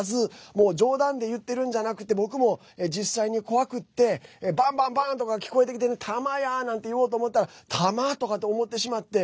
もう冗談で言ってるんじゃなくて僕も、実際に怖くってバンバンバンとか聞こえてきてねたまやなんて言おうと思ったら弾！？とかって思ってしまって。